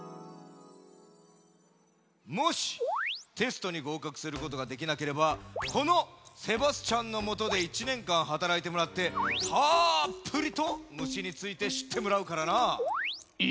もしテストにごうかくすることができなければこのセバスチャンのもとで１ねんかんはたらいてもらってたっぷりと虫についてしってもらうからな。え！？